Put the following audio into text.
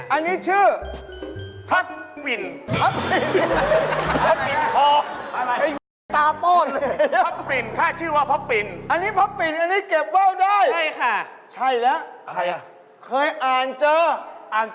ไอ้เยี่ยมโชว์ว่าวไอ้เยี่ยมว่าวโชว์